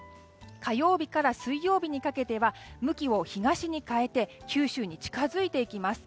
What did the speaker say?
火曜日から水曜日にかけては向きを東に変えて九州に近づいていきます。